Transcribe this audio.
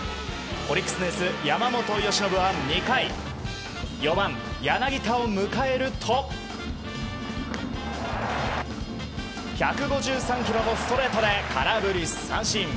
オリックスのエース山本由伸は２回４番、柳田を迎えると１５３キロのストレートで空振り三振。